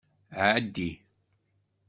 Ɛeddi.